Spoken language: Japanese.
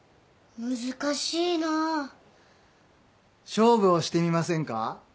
勝負をしてみませんか？